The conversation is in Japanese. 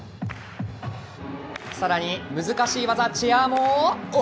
さらに難しい技、チェアーも。